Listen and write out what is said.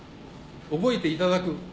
覚えていただく。